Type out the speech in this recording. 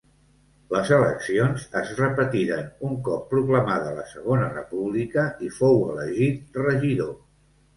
Les eleccions es repetiren un cop proclamada la Segona República i fou elegit regidor.